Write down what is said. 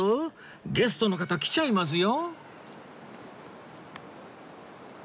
ゲストの方来ちゃいますよ